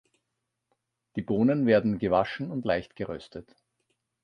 Die Bohnen werden gewaschen und leicht geröstet.